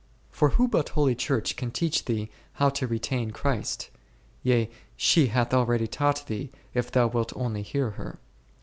For who but holy Church can teach thee how to retain Christ ? yea, she hath already taught thee, if thou wilt only hear her.